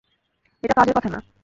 এটা কাজের কথা না।